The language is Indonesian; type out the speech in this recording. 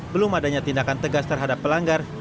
belum adanya tindakan tegas terhadap pelanggar